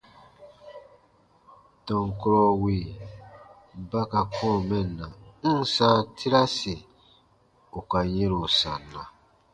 Tɔn kurɔ wì ba ka kɔ̃ɔ mɛnna, n ǹ sãa tiraasi ù ka yɛ̃ro sanna.